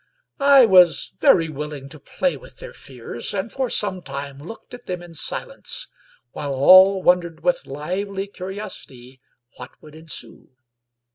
I was very willing to play with their fears, and for some time looked at them in silence, while all wondered with lively curiosity what would ensue.